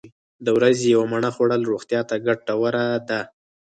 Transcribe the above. د ورځې یوه مڼه خوړل روغتیا ته ګټوره ده.